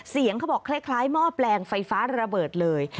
เสียงเขาบอกคล้ายหม้อแปลงไฟฟ้าระเบิดเลย